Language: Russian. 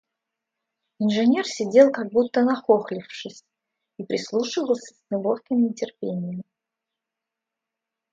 Инженер сидел, как будто нахохлившись, и прислушивался с неловким нетерпением.